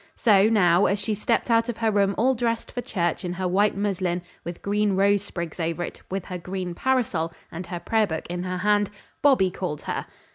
So, now, as she stepped out of her room all dressed for church in her white muslin with green rose sprigs over it, with her green parasol, and her prayer book in her hand, Bobby called her.